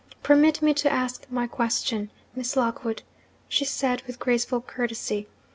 'Permit me to ask my question, Miss Lockwood,' she said, with graceful courtesy.